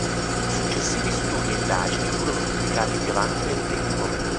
Successivi studi e indagini furono pubblicati più avanti nel tempo.